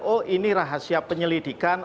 oh ini rahasia penyelidikan